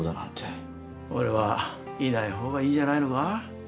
俺は、いないほうがいいんじゃないのか。